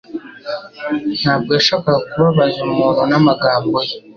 Ntabwo yashakaga kubabaza umuntu n'amagambo ye